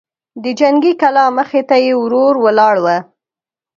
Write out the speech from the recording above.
د جنګي کلا مخې ته يې ورور ولاړ و.